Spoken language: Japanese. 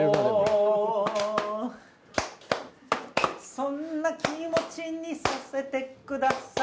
「そんな気持ちにさせてくださり」